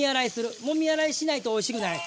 もみ洗いしないとおいしくない。